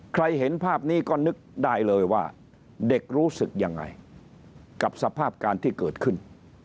เห็นภาพนี้ก็นึกได้เลยว่าเด็กรู้สึกยังไงกับสภาพการที่เกิดขึ้น